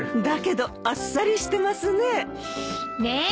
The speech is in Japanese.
だけどあっさりしてますね。